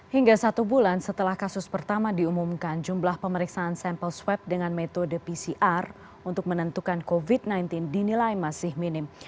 hingga satu bulan setelah kasus pertama diumumkan jumlah pemeriksaan sampel swab dengan metode pcr untuk menentukan covid sembilan belas dinilai masih minim